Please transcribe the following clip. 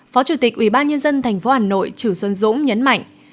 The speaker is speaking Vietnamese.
phó chủ tịch ubnd tp hà nội trữ xuân dũng nhấn mạnh